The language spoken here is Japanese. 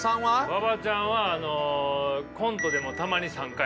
馬場ちゃんはコントでもたまに参加やからな。